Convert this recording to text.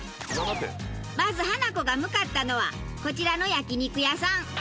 まずハナコが向かったのはこちらの焼肉屋さん。